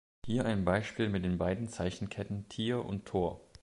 Hier ein Beispiel mit den beiden Zeichenketten „Tier“ und „Tor“.